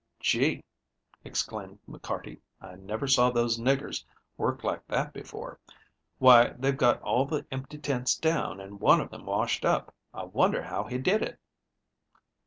"Gee," exclaimed McCarty, "I never saw those niggers work like that before. Why, they've got all the empty tents down and one of them washed up. I wonder how he did it."